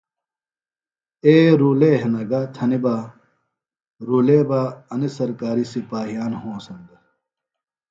اے رُویلے ہنہ گہ تھنیۡ بہ، رُویلے بہ انیۡ سرکاریۡ سِپاہیان ھونسن دےۡ